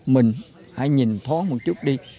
mình hãy nhìn thoáng một chút đi